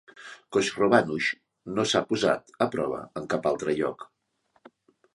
Khosrovanush no s'ha posat a prova en cap altre lloc.